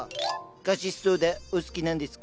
カシスソーダお好きなんですか？